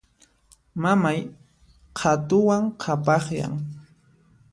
Mamay qhatuwan qhapaqyan.